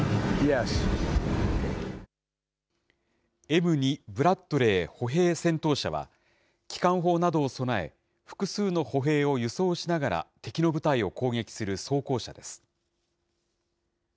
Ｍ２ブラッドレー歩兵戦闘車は、機関砲などを備え、複数の歩兵を輸送しながら敵の部隊を攻撃する装甲車です。